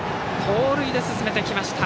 盗塁で進めてきました。